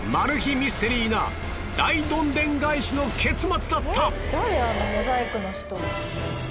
ミステリーな大どんでん返しの結末だった！